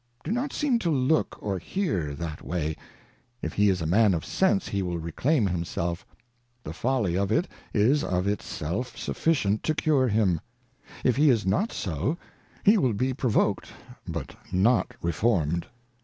Do not seem to look or hear that way : If he is a Man of Sense, he will reclaim himself ; the Folly of it, is of it self suificient to cure him : if he is not so, he will be provok'd, but not reform'd.